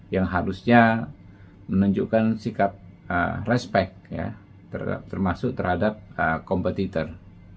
yang harusnya menunjukkan sikap respect termasuk terhadap kompetitor